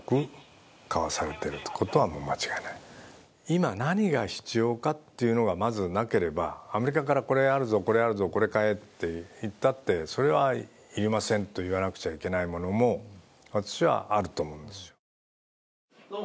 今何が必要かというのが、まずなければ、アメリカから、これあるぞ、これ買えと言ったってそれは要りませんと言わなくちゃいけないものも、私はあると思うんですよ。